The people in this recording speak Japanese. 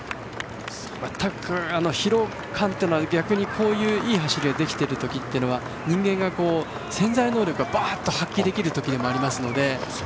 全く疲労感というのは逆に、こういういい走りができている時は人間が、潜在能力を発揮できるときでもあるので。